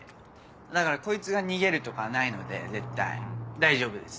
だからこいつが逃げるとかはないので絶対大丈夫です。